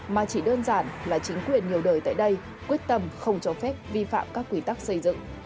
mà chỉ đơn giản là chính quyền nhiều đời tại đây quyết tâm không cho phép vi phạm các quy tắc xây dựng